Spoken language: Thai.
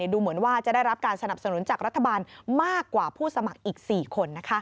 ดูเหมือนว่าจะได้รับการสนับสนุนจากรัฐบาลมากกว่าผู้สมัครอีก๔คน